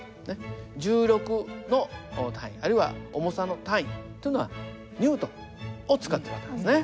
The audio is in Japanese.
「重力」の単位あるいは「重さ」の単位というのはニュートンを使ってる訳なんですね。